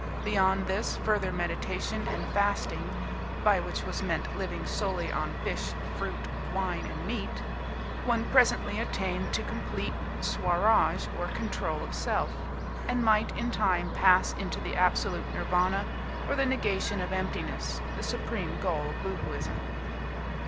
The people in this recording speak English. Beyond this, further meditation and fasting by which was meant living solely on fish, fruit, wine, and meat one presently attained to complete Swaraj or Control of Self, and might in time pass into the absolute Nirvana, or the Negation of Emptiness, the supreme goal of Boohooism.